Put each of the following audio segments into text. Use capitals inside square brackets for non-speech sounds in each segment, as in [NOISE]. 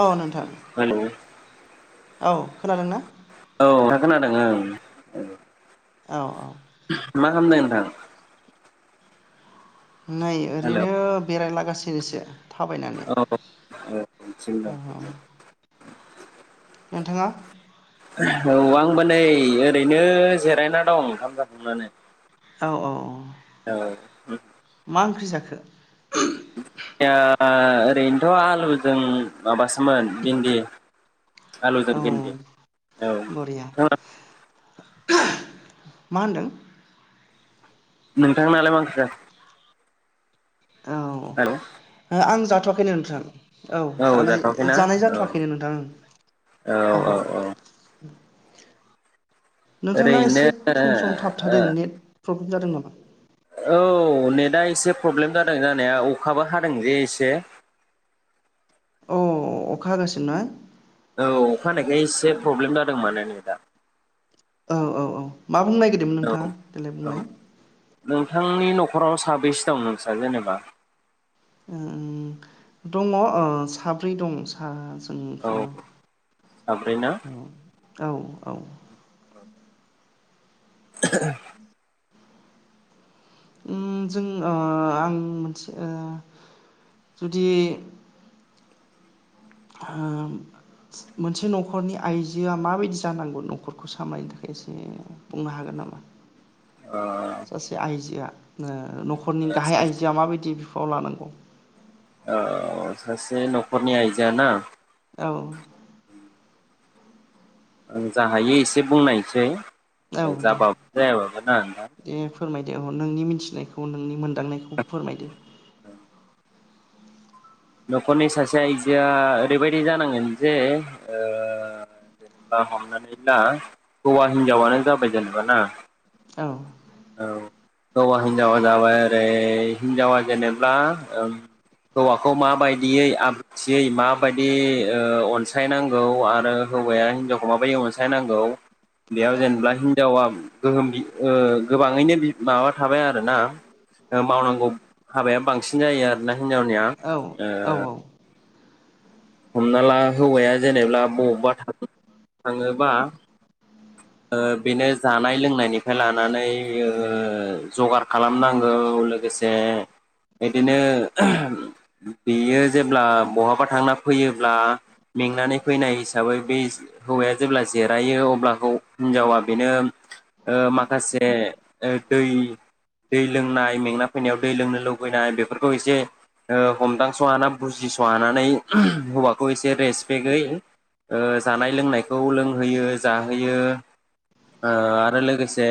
औ नोंथां। हेलौ औ खोनादों ना? औ नोंथां खोनादों ओं ओं। औ औ। मा खामदों नोंथां? नै हेलौ ओरैनो बेरायला गा सिनोसो औ औ औ थिनदों औ थिनदों। नोंथाङा? औ आंबो नै ओरैनो जिरायना दं ओंखाम जाखांनानै। औ औ औ। औ मा ओंख्रि जा खो? ओ ओरैनोथ' आलुजों माबासोमोन भिन्दि। आलुजों औ भिन्दि। औ बरिया नोंथाङा? मा होनदों? नोंथांनालाय मा ओंख्रि जाखो? औ ओ आं जाथ थ'आखैनो नोंथां। औ जानाय जाथ'वाखैना जानाय औ जाथवाखैनो नोंथां ओं औ। नोंथांना ओरैनो एसे सम सम थाबथादों नेट प्रब्लेम जादों नामा? औ नेटआ एसे प्रब्लेम जादों जानाया अखाबो हादों जे एसे अ अखा हागासिनो ना? औ अखा हानायखाय एसे प्रब्लेम जादों माने नेदा। औ औ औ। मा बुंनो नागिरदोंमोन औ नोंथाङा? देेलाय औ बुंलाय। नोंथांनि नखराव साबेसे दं नोंस्रा जेनेबा? ओम दङो ओ साब्रै दं सा औ ओंफोरनाव। साब्रै ना? औ औ। [INAUDIBLE] उम जों ओ आं मोनसे ओ जुदि ओ मोनसे नखरनि आइजोआ माबायदि जानांगौ न'खरखौ सामलायनो थाखाय एसे बुंनो हागोन नामा? ओ सासे आइजोआ नो नखरनि गाहाय आइजोआ माबायदि फाव लानांगौ। औ सासे नखरनि आइजोआ ना। औ। आं जा हायो एसे बुंनायसै। औ ओ दे जाबाब जाया बाबा ना नोंथां। दे अ नोंनि मिथिनायखौ नोंनि मोनदांनायखौ फोरमायदो। औ‌। नखरनि सासे आइजोआ ओरैबायदि जानांगोन जे ओ जेनेबा हमनानै ला हौवा हिनजावानो जाबाय जेनेबाना ना। औ औ। हौवा हिनजावा जाबाय ओरै हिनजावा जेनेब्ला ओम हौवा खौ माबायदियै आब्रुथियै माबायदियै अनसायनांगौ? आरो हौवाया हिनजावखौ माबायदि अनसायनांगौ? बेयाव जेनेबा हिनजावा गोहोम गोबाङैनो माबा थाबाय आरोना मावनांगौ हाबाया बांसिन जायो आरोना हिनजावनिया? औ औ ओ। हमना ला हौवाया जेनेब्ला बबावबा थां थाङोबा। ओ बेनो जानाय लोंनायनिफ्राय लानानै ओ जगार खालामनांगौ लोगोसे इदिनो बेयो जेब्ला बहाबा थांना फैयोब्ला मेंनानै फैनाय हिसाबै बे हौवाया जेब्ला जिरायो अब्ला हौ हिनजावा बेनो ओ माखासे दै दै लोंनाय, मेंना फैनायाव दै लोंनो लुबैनाय बेफोरखौ एसे हमदांस हाना बुजिस हानानै। हौवाखौ एसे रेसपेक्टै ओ जानाय लोंनायखौ लोंहोयो जाहोयो। ओ आरो लोगोसे,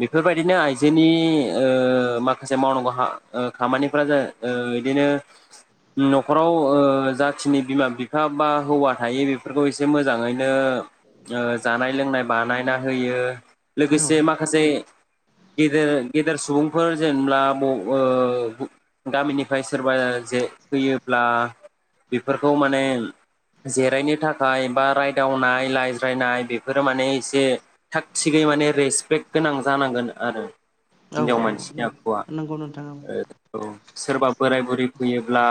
बेफोरबायदिनो आइजोनि ओ माखासे मावनांगौ हा ओ खामानिफोरा जा ओ इदिनो, नखराव ओ जाखिनि बिमा बिफा बा हौवा थायो बेफोरखौ एसे मोजाङैनो जानाय लोंनाय। बानायना होयो। औ लोगोसे माखासे गेदेर गेदेर सुबुंफोर जेनेब्ला म ओ गामिनिफ्राय सोरबा जे फैयोब्ला बेफोरखौ माने जिरायनो थाखाय बा रायदावनाय रायज्रायनाय बेफोरो माने। एसे थाग थिगै माने रेसपेक्ट गोनां जानांगोन आरो। औ हिनजाव मानसिनि औ आखुवा नंगौ नोंथां [UNINTELLIGIBLE] सोरबा बोराय बुरै फैयोब्ला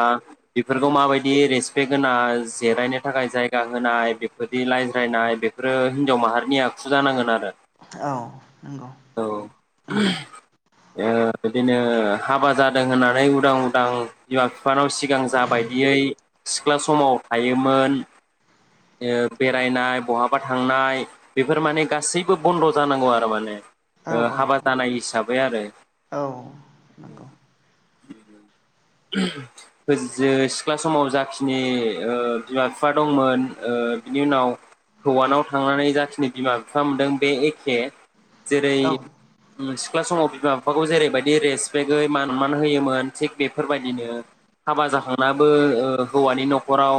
बेफोरखौ माबायदि रेसपेक्ट होना जिरायनो थाखाय जायगा होनाय बेफोरदि रायज्रायनाय बेफोरो हिनजाव माहारि। नि आखु जानांगोन आरो औ नंगौ औ उम ओ बिदिनो हाबा जादों होननानै उदां उदां बिमा बिफानाव सिगां जाबायदियै सिख्ला समाव थायोमोन ओ बेरायनाय बहाबा थांनाय। बेफोर माने गासैबो बन्द जानांगौ आरो माने, औ ओ हाबा औ जानाय हिसाबै आरो। औ नंगौ सिख्ला समाव जाखिनि ओ बिमा बिफा दंमोन बिनि उनाव हौवानाव थांनानै जाखिनि बिमा बिफा मोनदों बे एखे। जेरै औ सिख्ला समाव बिमा बिफाखौ जेरैबायदि रेसपेक्टगै मानमान होयोमोन, थिग बेफोरबायदिनो हाबा जाखांनाबो ओ हौवानि नखराव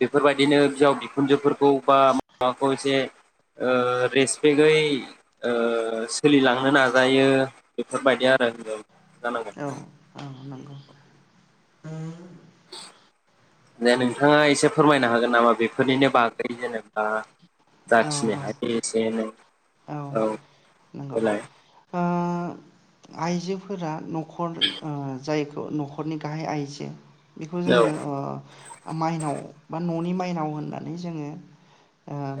बेफोरबायदिनो बिहाव बिखुनजोफोरखौ बा माबाखौ एसे ओ रेसपेक्टगै ओ सोलिलांनो नाजायो बेफोरबायदि आरो हिनजाव जानांगोन। औ नंगौ दे नोंथाङा एसे फोरमायनो हागोन नामा? बेफोरनिनो बागै जेनेबा औ जाखिनि हायो, एसे एनै औ नंगौ देलाय। ओ आइजोफोरा नखर ओ जायखौ नखरनि गाहाय आइजो बेखौ औ जोङो ओ। माइनाव बा ननि माइनाव होननानै जोङो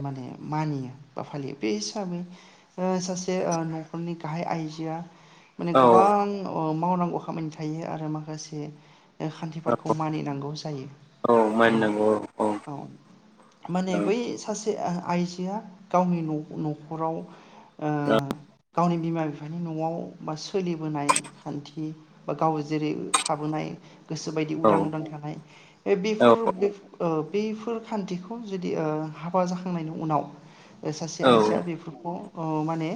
माने मानियो बा फालियो बे हिसाबै सासे नखरनि गाहाय आइजोआ माने औ गोबां ओम। मावनांगौ खामानि थायो आरो माखासे खान्थिफोरखौ मानिनांगौ जायो। औ ओ मानिनांगौ औ माने औ बै सासे आइजोआ गावनि नखराव गावनि ओ बिमा बिफानि नआव। बा सोलिबोनाय खान्थि बा गाव जेरै थाबोनाय गोसो बायदि औ उदां उदां थानाय, बे औ बेफोर बेफ ओ बैफोर खान्थिखौ जुदि ओ हाबा जाखांनायनि उनाव। सासे औ आइजोआ बेफोरखौ ओ माने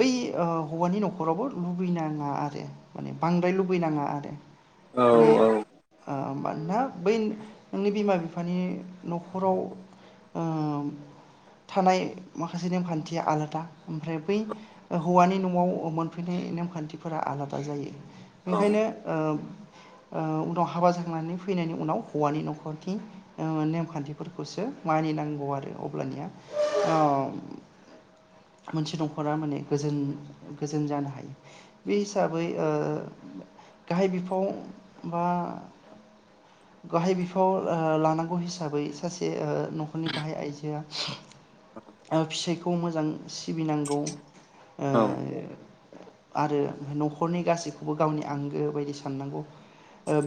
बै हौवानि नखर नखरावबो लुबैनाङा आरो माने बांद्राय लुबैनाङा आरो औ माने औ ओ मानोना बै नोंनि बिमा बिफानि नखराव ओ थानाय माखासे नेमखान्थिया आलादा ओमफ्राय बै हौवानि नआव थाफैनाय नेमखान्थिफोरा आलादा जायो ओंखायनो ओ ओ उनाव हाबा जांखांनानै फैनायनि उनाव हौवानि नखरनि नेमखान्थिफोरखौसो मानिनांगौ आरो अब्लानिया ओ मोनसे नखरा माने गोजोन जों जानो हायो बे हिसाबै गाहाय बिफाव बा गाहाय बिफाव लानांगौ हिसाबै सासे न'खरनि गाहाय आइजोआ आबस [INAUDIBLE] बे मोजां सिबिनांगौ [INAUDIBLE] आरो न'खरनि गासैखौबो गावनि आंगो बायदि साननांगौ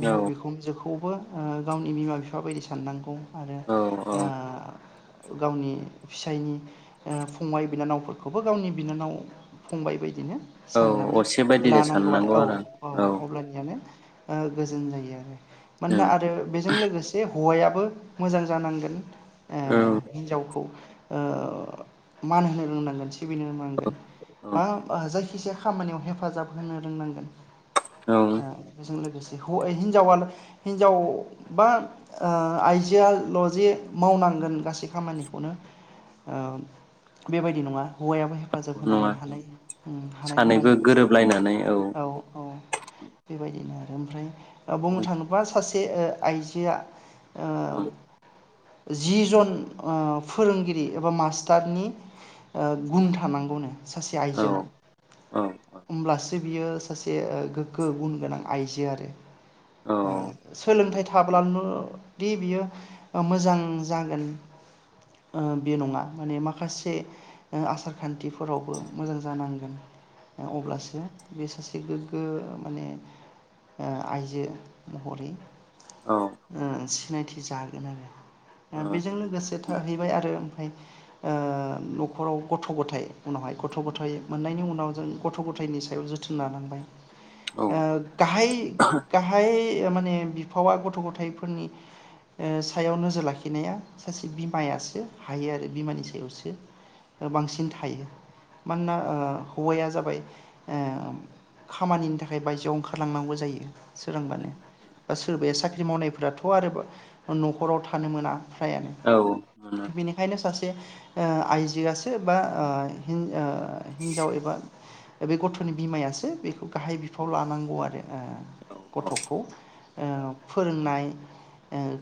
बिहाव बिखुनजोखौबो गावनि बिमा बिफा बायदि साननांगौ आरो औ गावनि फिसायनि फंबाय बिनानावफोरखौबो गावनि बिनानाव फंबाय बायदि बिदिनो औ साननानै असे बायदिनो लानांगौ आरो साननांगौ औ औ अब्लानियानो गोजोन जायो आरो मनोना औ आरो बेजों लोगोसे हौवायाबो मोजां जानांगोन औ हिन्जावखौ मान होनो रोंनांगोन सिबिनो रोंनांगोन औ आ जायखिजाया खामानियाव हेफाजाब होनो रोंनांगोन औ ओ बेजों लोगोसे हिनजाव हिनजाव बा आइजोआल' जे मावनांगोन गासै खामानिखौनो बेबायदि नङा हौवायाबो हेफाजाब नङा होनांगोन हालाय हानाय सानैबो खामानिफोरखौ गोरोबलायनानै औ औ बेबायदि बिदिनो आरो ओमफ्राय बुंनो औ थाङोबा सासे आइजोआ ओ औ जि जन फोरोंगिरि एबा मास्टारनि गुन थानांगौनो सासे औ आइजोनाव औ होमब्लास बियो सासे गोग्गो गुन गोनां आइजो आरो औ सोलोंथाइ थाब्लानोल'- दि बियो मोजां जागोन बे नङा माने माखासे आसार खान्थिफोरावबो मोजां जानांगोन। बिदिनो- अब्लासो बे सासे- एसे गोग्गो माने आइजो महरै औ आ सिनायथि जागोन आरो बेजों लोगोसे थाहैबाय आरो माय न'खराव गथ' गथायाइ उनावहाय गथ' गथाय मोननायनि उनाव जों गथ' गथायनि सायाव जोथोन लानांबाय। औ आ काहाय काहाय माने बिफावा गथ' गथायाइफोरनि सायाव नोजोर लाखिनाया सासे बिमायासो हायो आरो बिमानि सायावसो बांसिन थायो मानोना हौवाया जाबाय खामानिनि थाखाय बायजोआव ओंखारलांनांगौ जायो। सोरांबानो बा सोरबाया साख्रि मावनाय दाथ' आरो न'खराव थानो मोना। फ्रायानो औ थ मोनो बेनिखायनो सासे आइजोआसो बा हि हिनजाव एबा बे गथ'नि बिमायासो बेखौ गाहाय बिफाव लानांगौ आरो औ औ गथ'खौ औ फोरोंनाय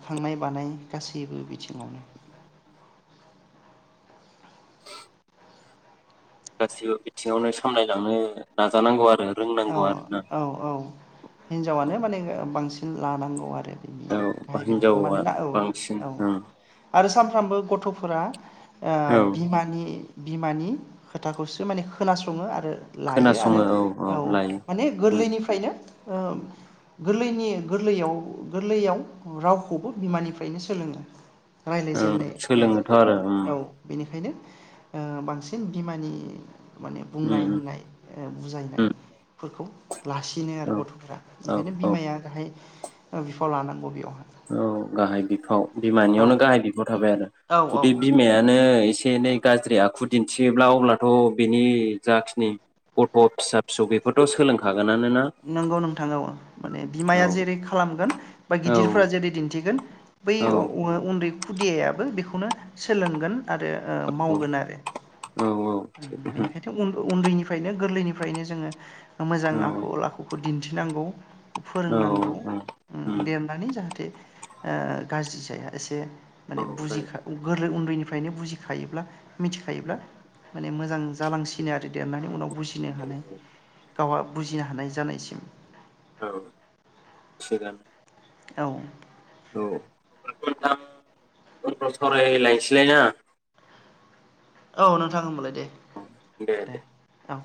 खांनाय बानाय गासैबो बिथिङावनो गासिबो बिथिङावनो सामलायलांनो नाजानांगौ आरो औ रोंनांगौ आरो ना औ औ औ हिनजावानो माने बांसिन लानांगौ आरो औ गाहाय बेफोरखौ हिनजावा मानोना औ बांसिन औ ओं आरो सानफ्रामबो गथ' फोरा औ [UNINTELLIGIBLE] बिमानि बिमानि खोथाखौसो माने खोनासङो आरो लायो खोनासङो आरो औ औ लायो माने ओं गोरलैनिफ्रायनो गोरलैनि गोरलैयाव गोरलैयाव रावखौबो बिमानिफ्रायनो सोलोङो। ओं राय्लायजेनन्नाय सोलोङोथ' आरो ओम औ बेनिखायनो ओ बांसिन बिमानि माने बुंनाय ओम होननाय बुजायनाय ओम फोरखौ लासिनो आरो गथ'फ्रा औ ओंखायनो औ बिमाया गाहाय बिफाव लानांगौ बेयाव औ गाहाय बिफाव औ बिमानियावनो गाहाय बिफाव थाबाय आरो औ औ जुदि बिमायानो एसे एनै गाज्रि आखु दिन्थियोब्ला अब्लाथ' बिनि जाखिनि गथ' फिसा फिसौ बेफोरथ' सोलोंखागोन नंगौ नोंथां औ माने बिमाया औ जेरै खालामगोन बा औ गिदिरफोरा जेरै दिन्थिगोन बै औ [UNINTELLIGIBLE] उन्दै खुदियाबो बेखौनो सोलोंगोन। आरो ओ मावगोन आरो औ औ ओम बेनिखायथ' उ उन्दैनिफ्रायनो गोरलैनिफ्रायनो जोङो मोजाङा गावखौ दिन्थिनांगौ। औ फोरोंनांगौ औ ओ देरनानै जाहाथे ओ गाज्रि जाया एसे माने बुजिखा गोरलै उन्दैनिफ्राय फ्रायनो बुजिखायोब्ला मिथिखायोब्ला माने मोजां जालांसिनो आरो देरनानै उनाव बुजिनो हानाय गावहा बुजिया हानाय जानायसिम औ सि दानो औ। औ नोंथां उनफोराव सावरायलायसैलायना? औ नोंथां ओमबालाय। दे दे औ।